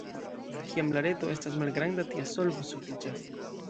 Kiam la reto estas malgranda, tia solvo sufiĉas.